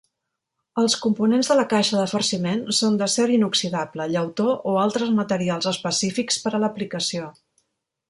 Els components de la caixa de farciment són d'acer inoxidable, llautó o altres materials específics per a l'aplicació.